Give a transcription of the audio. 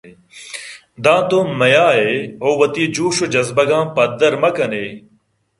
داں تو مہ یائےءُ وتی جوشءُ جذبگاں پدّرمہ کنئے